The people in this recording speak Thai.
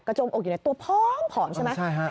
กระจงอกอยู่ในตัวพร้อมใช่ไหม